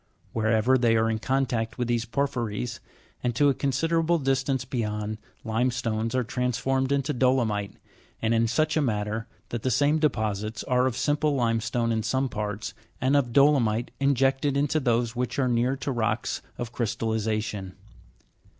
Wherever they are in contact with these porphyries, and to a con siderable distance beyond, limestones are transformed into dolomite, and in such a manner that the same deposits are of simple limestone in some part?, and of dolomite injected into those which are near to rocks of crystalliza tion.